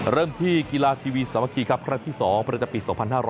เริ่มที่กีฬาทีวีสามัคคีครับครั้งที่๒ประจำปี๒๕๖๐